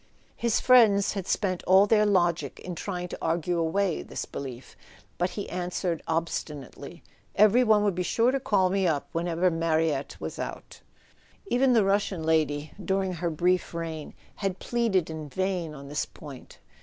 His friends had spent all their logic in [ 60 ] A SON AT THE FRONT trying to argue away this belief; but he answered ob¬ stinately: " Every one would be sure to call me up when Mariette was out." Even the Russian lady, dur¬ ing her brief reign, had pleaded in vain on this point.